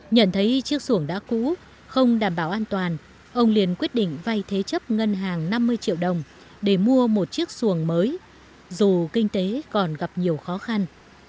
nhận thấy chiếc xuồng đã cũ không đảm bảo an toàn ông liền quyết định vay thế chấp ngân hàng năm mươi triệu đồng để mua một chiếc xuồng mới dù kinh tế còn gặp nhiều khó khăn